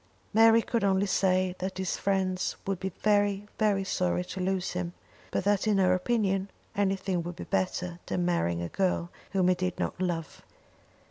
Mary could only say that his friends would be very very sorry to lose him, but that in her opinion anything would be better than marrying a girl whom he did not love.